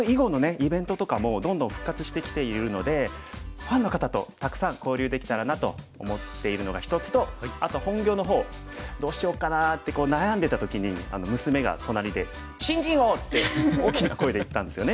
イベントとかもどんどん復活してきているのでファンの方とたくさん交流できたらなと思っているのが一つとあと本業の方どうしようかなって悩んでた時に娘が隣で「新人王！」って大きな声で言ったんですよね。